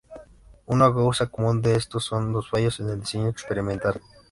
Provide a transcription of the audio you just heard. Una causa común de esto son los fallos en el diseño experimental.